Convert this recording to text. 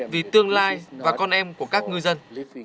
vì tương lai và con em của các ngư dân